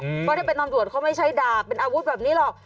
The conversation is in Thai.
เพราะถ้าเป็นตำรวจเขาไม่ใช้ดาบเป็นอาวุธแบบนี้หรอก